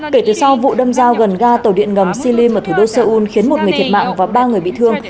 kể từ sau vụ đâm giao gần ga tàu điện ngầm silim ở thủ đô seoul khiến một người thiệt mạng và ba người bị thương